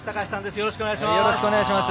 よろしくお願いします。